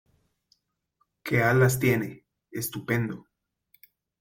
¡ Qué alas tiene !¡ estupendo !